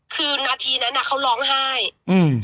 คือนาทีนั้นอ่ะเขาร้องไห้อืม